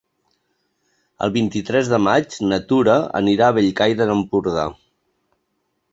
El vint-i-tres de maig na Tura anirà a Bellcaire d'Empordà.